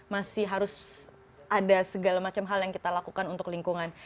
masih harus ada segala macam hal yang kita lakukan untuk lingkungan